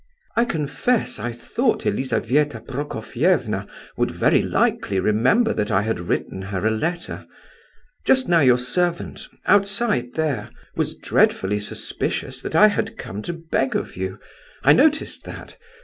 "I confess, I thought Elizabetha Prokofievna would very likely remember that I had written her a letter. Just now your servant—outside there—was dreadfully suspicious that I had come to beg of you. I noticed that!